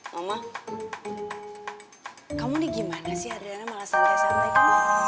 mama kamu nih gimana sih hariannya malah santai santai